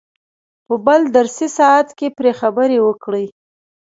په بل درسي ساعت کې پرې خبرې وکړئ.